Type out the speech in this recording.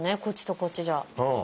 こっちとこっちじゃ。